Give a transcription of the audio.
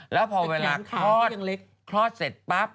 แล้วพอเวลาคลอดคลอดเสร็จปั๊บ